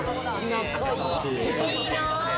仲いいな。